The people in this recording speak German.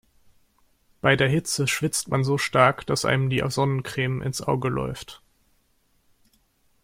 Bei der Hitze schwitzt man so stark, dass einem die Sonnencreme ins Auge läuft.